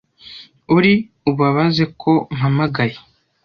uri ubabaze ko mpamagaye